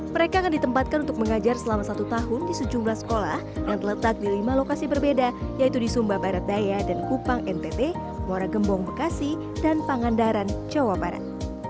mereka akan ditempatkan untuk mengajar selama satu tahun di sejumlah sekolah yang terletak di lima lokasi berbeda yaitu di sumba barat daya dan kupang ntt muara gembong bekasi dan pangandaran jawa barat